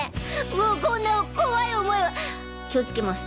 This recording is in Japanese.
もうこんな怖い思いは気をつけます。